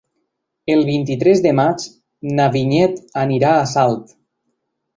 El vint-i-tres de maig na Vinyet anirà a Salt.